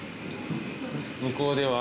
向こうでは？